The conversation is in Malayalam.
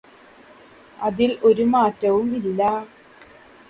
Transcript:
അതിൽ ഒരു മാറ്റവും ഇല്ലാ